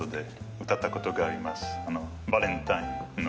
バレンタインの。